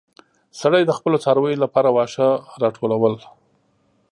سړی د خپلو څارويو لپاره واښه راټولول.